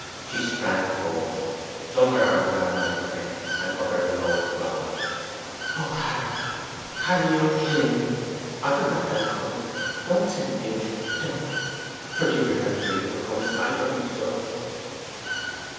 She sprang forward, flung her arms round Knight's neck, and uttered a low cry 'O Harry, Harry, you are killing me! I could not help coming. Don't send me away don't! Forgive your Elfride for coming I love you so!